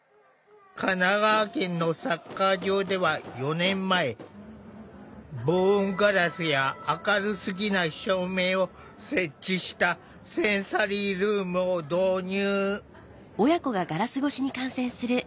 神奈川県のサッカー場では４年前防音ガラスや明るすぎない照明を設置したセンサリールームを導入。